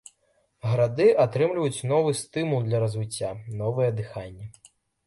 Гарады атрымліваюць новы стымул для развіцця, новае дыханне.